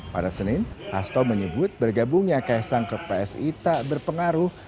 pada senin hasto menyebut bergabungnya kaisang ke psi tak berpengaruh